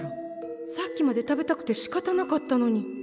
さっきまで食べたくてしかたなかったのに。